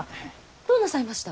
どうなさいました？